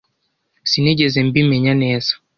Sinigeze mbimenya neza.